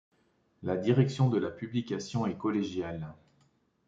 La direction de la publication est collégiale.